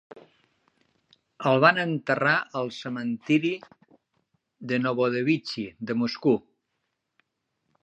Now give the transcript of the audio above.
El van enterrar al cementiri de Novodevichy de Moscou.